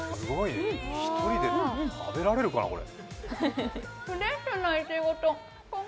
１人で食べられるかな、これ。